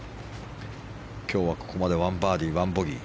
今日はここまで１バーディー、１ボギー。